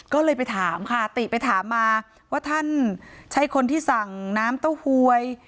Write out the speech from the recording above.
ก็เลยไปถามค่ะติไปถามมาว่าท่านใช้คนที่สั่งน้ำเต้าหวย